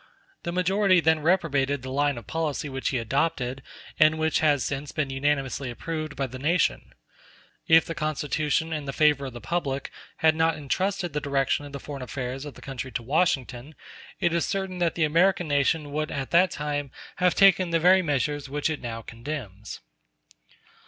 The majority then reprobated the line of policy which he adopted, and which has since been unanimously approved by the nation. *s If the Constitution and the favor of the public had not entrusted the direction of the foreign affairs of the country to Washington, it is certain that the American nation would at that time have taken the very measures which it now condemns.